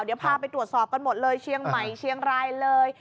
เดี๋ยวพาไปตรวจสอบกันหมดเลยเชียงใหม่เชียงรายเลย